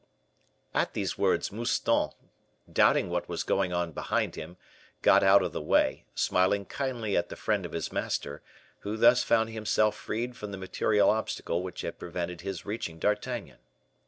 At these words Mouston, doubting what was going on behind him, got out of the way, smiling kindly at the friend of his master, who thus found himself freed from the material obstacle which had prevented his reaching D'Artagnan.